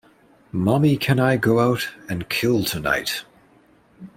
Mommy Can I Go Out and Kill Tonight?